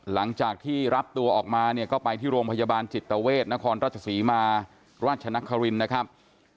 หลังจากที่รับตัวออกมาเนี่ยก็ไปที่โรงพยาบาลจิตเวทนครราชศรีมาราชนครินนะครับ